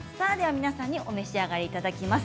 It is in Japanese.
皆さんにお召し上がりいただきます。